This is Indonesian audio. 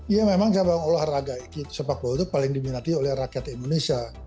ya memang cabang olahraga sepak bola itu paling diminati oleh rakyat indonesia